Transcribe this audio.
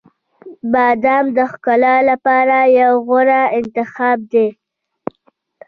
• بادام د ښکلا لپاره یو غوره انتخاب دی.